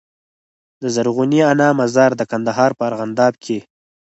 د زرغونې انا مزار د کندهار په ارغنداب کي